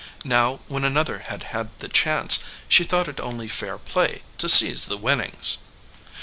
Now, when another had had the chance, she thought it only fair play to seize the winnings.